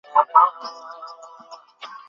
দুইয়ের কানে যেটা এক, পাঁচের কানে সেটা ভগ্নাংশ।